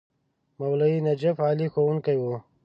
مولوي نجف علي ښوونکی وو.